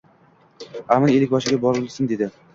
Amin ellikboshiga borilsin, dedi